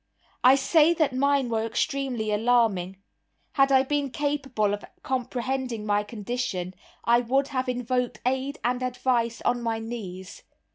I say that mine were extremely alarming. Had I been capable of comprehending my condition, I would have invoked aid and advice on my knees.